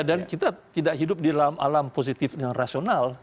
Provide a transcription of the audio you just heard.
dan kita tidak hidup di dalam alam positif yang rasional